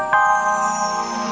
tidak ada apa apa